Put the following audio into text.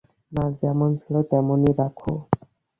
না, যেমন ছিল তেমন-ই রাখো।